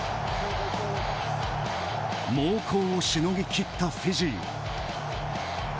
猛攻をしのぎきったフィジー。